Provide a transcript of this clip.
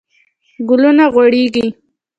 ګلونه غوړیږي